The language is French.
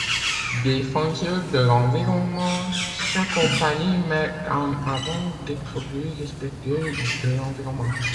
Défenseur de l’environnement, sa compagnie met en avant des produits respectueux de l'environnement.